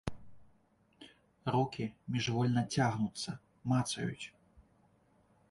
Рукі міжвольна цягнуцца, мацаюць.